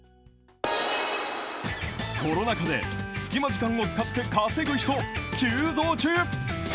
コロナ禍で隙間時間を使って稼ぐ人、急増中！